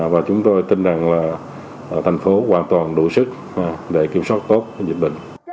và chúng tôi tin rằng là thành phố hoàn toàn đủ sức để kiểm soát tốt dịch bệnh